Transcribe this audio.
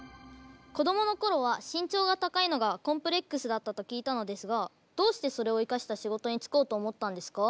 子どもの頃は身長が高いのがコンプレックスだったと聞いたのですがどうしてそれを生かした仕事に就こうと思ったんですか？